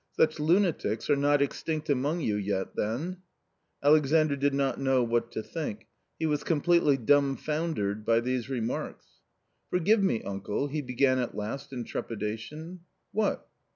Such lunatics are not extinct among you yet then ?" Alexandr did not know what to think — he was completely dumbfoundered by these remarks. " Forgive me, uncle," he began at last in trepidation " What